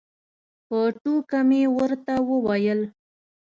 په ټوکه مې ورته وویل.